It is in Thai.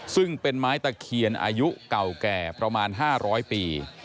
ซึ่งเป็นไม้ตะเคียนอายุเก่าแก่ประมาณ๕๐๐ปี